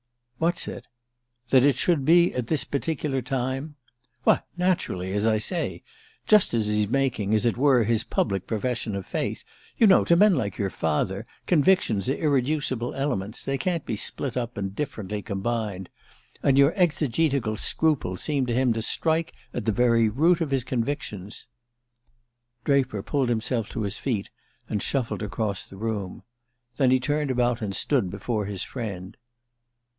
"_ What's_ it?" "That it should be at this particular time " "Why, naturally, as I say! Just as he's making, as it were, his public profession of faith. You know, to men like your father convictions are irreducible elements they can't be split up, and differently combined. And your exegetical scruples seem to him to strike at the very root of his convictions." Draper pulled himself to his feet and shuffled across the room. Then he turned about, and stood before his friend.